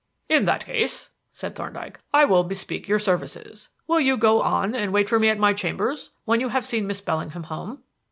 "In that case," said Thorndyke, "I will bespeak your services. Will you go on and wait for me at my chambers, when you have seen Miss Bellingham home?"